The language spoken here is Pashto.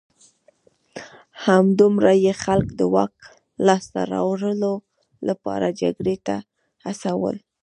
همدومره یې خلک د واک لاسته راوړلو لپاره جګړې ته هڅول